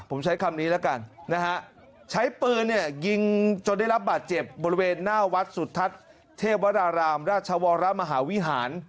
ผมใช้คำนี้แล้วกันนะฮะใช้ปืนเนี่ยยิงจนได้รับบาดเจ็บบริเวณหน้าวัดสุทัศน์เทพวรารามราชวรมหาวิหาร